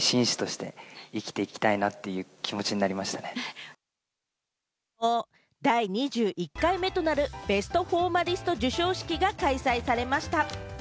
きのう、第２１回目となるベストフォーマリスト授賞式が開催されました。